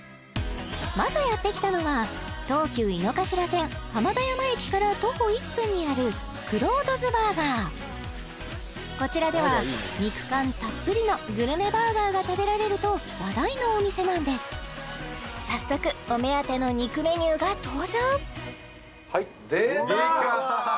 まずやって来たのは東急井の頭線浜田山駅から徒歩１分にあるこちらでは肉感たっぷりのグルメバーガーが食べられると話題のお店なんです早速お目当ての肉メニューが登場出た！